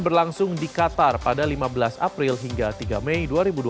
berlangsung di qatar pada lima belas april hingga tiga mei dua ribu dua puluh